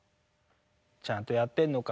「ちゃんとやってんのか。